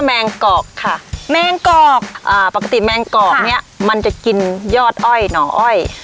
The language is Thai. แมงกอกอ่าปกติแมงกอกเนี้ยมันจะกินยอดอ้อยหนออ้อยอ๋อ